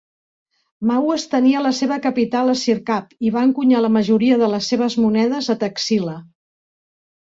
Maues tenia la seva capital a Sirkap i va encunyar la majoria de les seves monedes a Taxila.